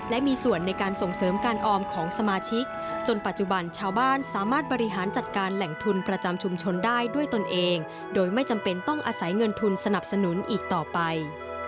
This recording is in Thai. และมีส่วนในการส่งเสริมการออมของสมาชิกจนปัจจุบันชาวบ้านสามารถบริหารจัดการแหล่งทุนประจำชุมชนได้ด้วยตนเองโดยไม่จำเป็นต้องอาศัยเงินทุนสนับสนุนอีกต่อไป